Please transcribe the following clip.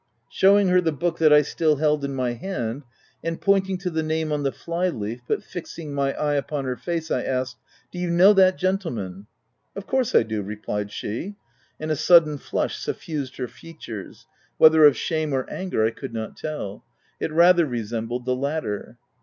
Shew ing her the book that T still held in my hand, and pointing to the name on the fly leaf, but fixing my eye upon her face, I asked, — u Do you know that gentleman ?" u Of course I do," replied she ; and a sudden flush suffused her features — whether of shame or anger I could not tell : it rather resembled the latter.